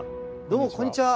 どうもこんにちは。